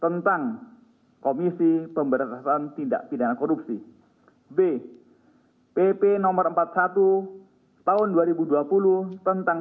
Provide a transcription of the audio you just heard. tiga puluh dua ribu dua tentang komisi pemberantasan tindak pidana korupsi b pp no empat puluh satu tahun dua ribu dua puluh tentang